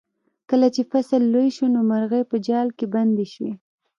کله چې فصل لوی شو نو مرغۍ په جال کې بندې شوې.